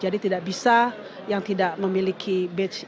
jadi tidak bisa yang tidak memiliki benar benar pengetahuan